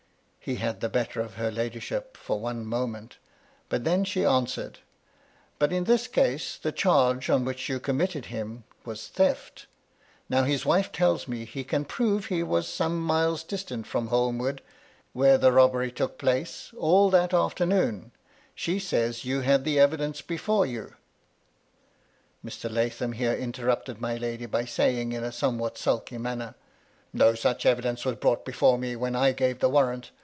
He had the better of her ladyship for one moment ; but then she answered, " But in this case, the charge on which you com mitted him was theft; now his wife tells me he can prove he was some miles distant firom Holmwood, where the robbery took place, all that afternoon ; she says you had the evidence before you." Mr. Lathom here interrupted my lady, by saying, in a somewhat sulky manner, — MY LADY LUDLOW. 57 "No such evidence was brought before me when I gave the warrant.